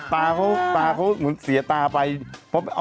ตาเขาเสียมือจะเป็นตาแดง